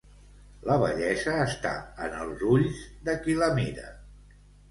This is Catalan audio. La bellesa està en els ulls de qui la mira.